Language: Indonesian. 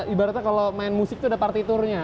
ibaratnya kalau main musik itu ada partiturnya